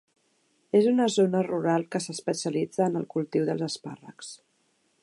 És una zona rural que s"especialitza en el cultiu dels espàrrecs.